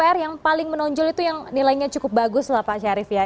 pr yang paling menonjol itu yang nilainya cukup bagus lah pak syarif ya